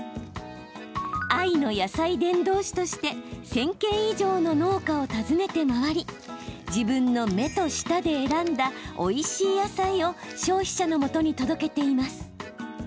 愛の野菜伝道師として１０００軒以上の農家を訪ねて回り自分の目と舌で選んだおいしい野菜を消費者のもとに届けています。